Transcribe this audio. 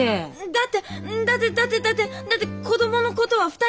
だってだってだってだってだって子供のことは２人の問題。